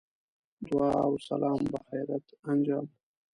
دعا و سلام بخیریت انجام.